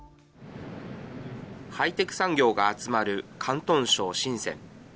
ハイテク産業が集まる広東省深セン。